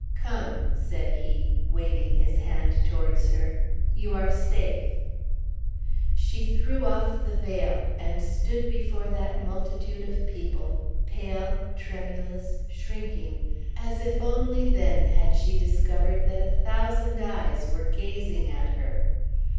"Come," said he, waving his hand towards her. "You are safe!" She threw off the veil, and stood before that multitude of people pale, tremulous, shrinking, as if only then had she discovered that a thousand eyes were gazing at her.